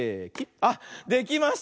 あっできました。